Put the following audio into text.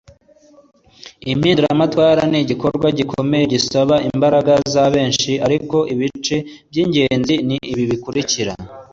impinduramatwara ni igikorwa gikomeye gisaba imbaraga za benshi ariko ibice by'ingenzi ni ibi bikurikira